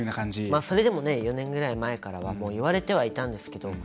それでも、４年ぐらい前からは言われてはいたんですけど。